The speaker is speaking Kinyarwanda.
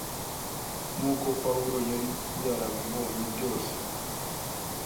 Nk’uko Pawulo yari yarabibonye byose